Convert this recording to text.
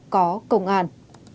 có công an